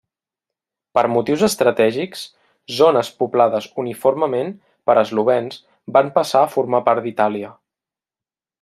Per motius estratègics, zones poblades uniformement per eslovens van passar a formar part d'Itàlia.